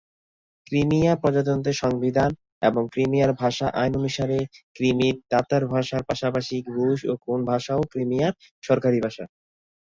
Crimea প্রজাতন্ত্রের সংবিধান এবং ক্রিমিয়ার ভাষা আইন অনুসারে, ক্রিমীয় তাতার ভাষার পাশাপাশি রুশ ও ইউক্রেনীয় ভাষাও ক্রিমিয়ার সরকারি ভাষা।